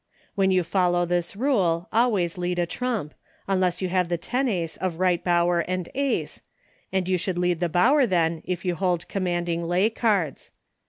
When you follow this rule, always lead a trump, unless you have the tenace of Right Bower and Aee, and you should lead the Bower then if you hold commanding lay cards.